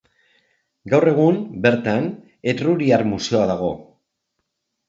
Gaur egun, bertan, Etruriar Museoa dago.